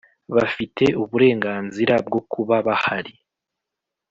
bafite uburenganzira bwo kuba bahari